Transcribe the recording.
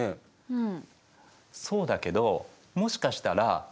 うん。